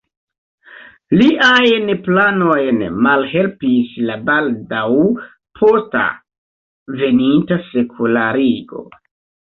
Liajn planojn malhelpis la baldaŭ posta veninta sekularigo.